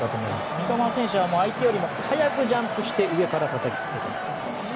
三笘選手は相手より早くジャンプしてたたきつけています。